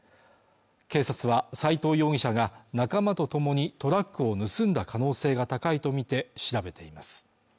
警察は斎藤容疑者が仲間と共にトラックを盗んだ可能性が高いとみて調べています